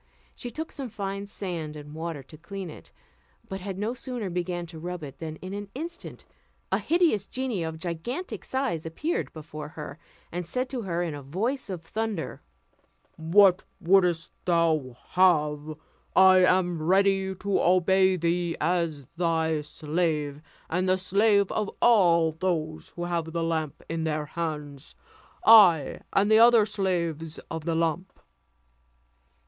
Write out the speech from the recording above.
She took some fine sand and water to clean it; but had no sooner begun to rub it, than in an instant a hideous genie of gigantic size appeared before her, and said to her in a voice of thunder, "What wouldst thou have? I am ready to obey thee as thy slave, and the slave of all those who have that lamp in their hands; I and the other slaves of the lamp."